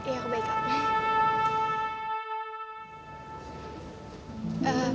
ya aku baik baik